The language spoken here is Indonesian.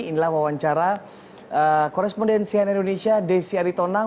inilah wawancara korespondensian indonesia desi aritonang